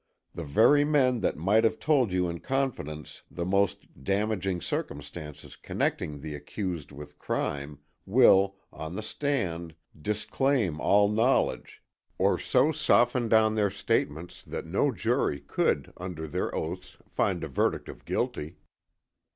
The very men that might have told you in confidence the most damaging circumstances connecting the accused with crime, will, on the stand, disclaim all knowledge, or so soften down their statements that no jury could, under their oaths, find a verdict of guilty.